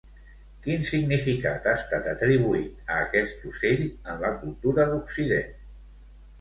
Quin significat ha estat atribuït a aquest ocell en la cultura d'Occident?